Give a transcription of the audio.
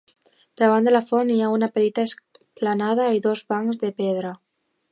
Davant de la font hi ha una petita esplanada i dos bancs de pedra.